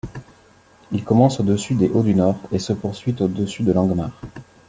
Il commence au-dessus des Hauts du Nord et se poursuit au-dessus de l'Angmar.